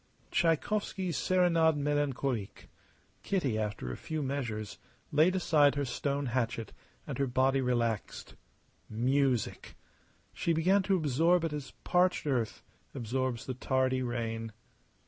Tschaikowsky's "Serenade Melancolique." Kitty, after a few measures, laid aside her stone hatchet, and her body relaxed. Music! She began to absorb it as parched earth absorbs the tardy rain.